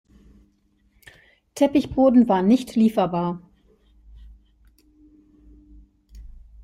Teppichboden war nicht lieferbar.